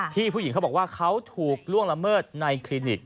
ผู้หญิงเขาบอกว่าเขาถูกล่วงละเมิดในคลินิก